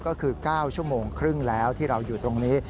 ก็คือ๙ชั่วโมงครึ่งแล้วที่เราอยู่ตรงนี้